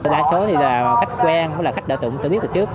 đa số thì là khách quen khách đã tưởng tượng biết từ trước